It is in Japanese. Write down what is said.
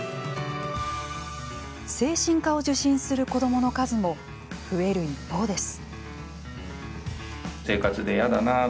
精神科を受診する子どもの数も増える一方です。